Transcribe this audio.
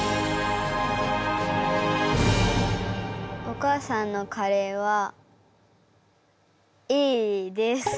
お母さんのカレーはＡです。